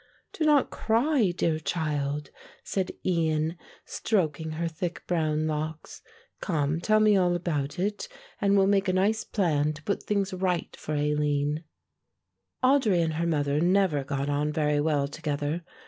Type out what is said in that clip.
"Do not cry, dear child," said Ian, stroking her thick brown locks. "Come, tell me all about it and we'll make a nice plan to put things right for Aline." Audry and her mother never got on very well together.